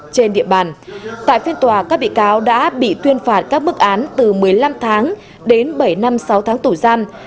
trên đệ bàn tại phiên tòa các bị cáo đã bị tuyên phạt các bức án từ một mươi năm tháng đến bảy năm sáu tháng tủ gian